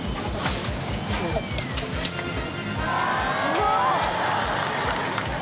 うわ！